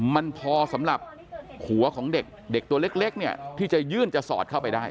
มันพอสำหรับหัวของเด็กตัวเล็กเนี่ยที่จะยื่นจะสอดเข้าไปได้